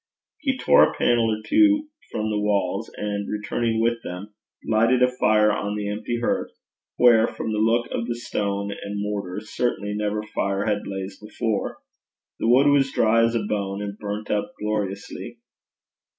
He tore a panel or two from the walls, and returning with them, lighted a fire on the empty hearth, where, from the look of the stone and mortar, certainly never fire had blazed before. The wood was dry as a bone, and burnt up gloriously.